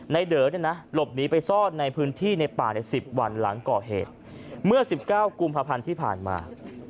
เด๋อเนี่ยนะหลบหนีไปซ่อนในพื้นที่ในป่าใน๑๐วันหลังก่อเหตุเมื่อ๑๙กุมภาพันธ์ที่ผ่านมา